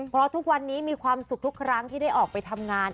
เพราะทุกวันนี้มีความสุขทุกครั้งที่ได้ออกไปทำงาน